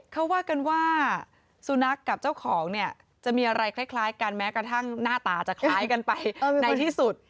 เขาว่ากันว่าสุนัขกับเจ้าของเนี่ยจะมีอะไรคล้ายกันแม้กระทั่งหน้าตาจะคล้ายกันไปในที่สุด